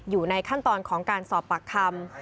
อยู่ในขั้นตอนของการสอบปากคำ